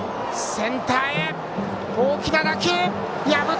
センターへ、大きな打球！